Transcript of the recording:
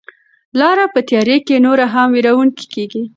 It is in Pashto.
لاره په تیاره کې نوره هم وېروونکې کیږي.